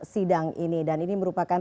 sidang ini dan ini merupakan